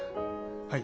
はい。